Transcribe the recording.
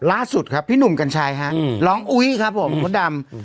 ล่าสุดครับพี่หนุ่มกัญชัยฮะร้องอุ้ยครับผมมดดำ